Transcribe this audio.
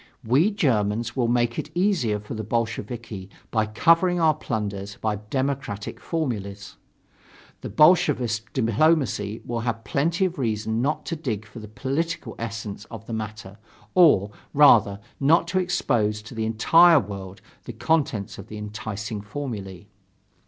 We Germans will make it easier for the Bolsheviki by covering our plunders by democratic formulas. The Bolshevist diplomacy will have plenty of reason not to dig for the political essence of the matter, or, rather, not to expose to the entire world the contents of the enticing formulae....